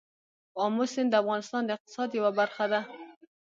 آمو سیند د افغانستان د اقتصاد یوه برخه ده.